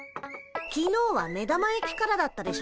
きのうは目玉焼きからだったでしょ。